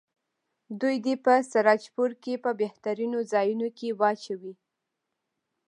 دوی دې په سراجپور کې په بهترینو ځایونو کې واچوي.